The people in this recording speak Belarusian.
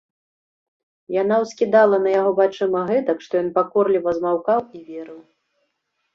Яна ўскідала на яго вачыма гэтак, што ён пакорліва змаўкаў і верыў.